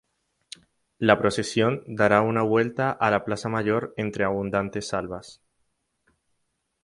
La procesión dará una vuelta a la Plaza Mayor entre abundante salvas.